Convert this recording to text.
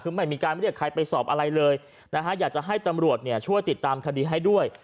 คือไม่มีการเรียกใครไปสอบอะไรเลยนะฮะอยากจะให้ตำรวจเนี่ยช่วยติดตามคดีให้ด้วย